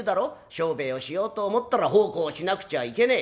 商売をしようと思ったら奉公をしなくちゃいけねえ。